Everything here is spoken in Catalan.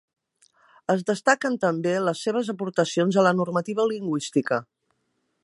Es destaquen també les seves aportacions a la normativa lingüística.